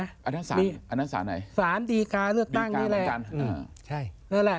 อันนั้นสารอะไรบีกาบางจันทร์อ๋อใช่นั่นแหละ